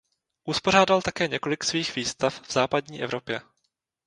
Uspořádal také několik svých výstav v západní Evropě.